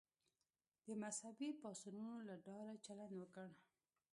د مذهبي پاڅونونو له ډاره چلند وکړ.